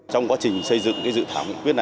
trong quá trình xây dựng cái dự thảo